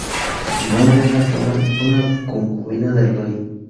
Su madre era Tora, una concubina del rey.